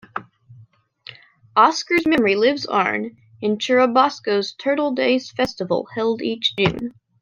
Oscar's memory lives on in Churubusco's Turtle Days festival held each June.